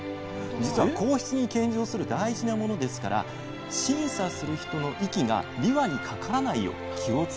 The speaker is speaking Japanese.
じつは皇室に献上する大事なものですから審査する人の息がびわにかからないよう気をつけていたんですね。